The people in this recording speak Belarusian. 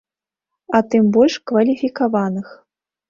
А тым больш кваліфікаваных.